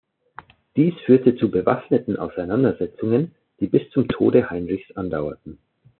Dies führte zu bewaffneten Auseinandersetzungen, die bis zum Tode Heinrichs andauerten.